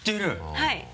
はい。